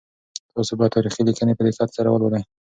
تاسو باید تاریخي لیکنې په دقت سره ولولئ.